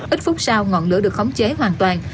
ít phút sau ngọn lửa được khống chế hoàn toàn